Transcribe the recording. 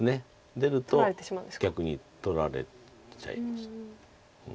出ると逆に取られちゃいます。